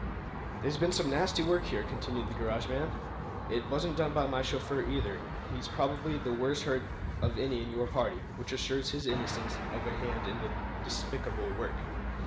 "There's been some nasty work here," continued the garage man. "It wasn't done by my chauffeur, either. He's probably the worst hurt of any in your party, which assures his innocence of a hand in the despicable work."